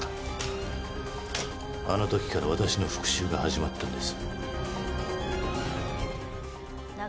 あの時から私の復讐が始まったんです。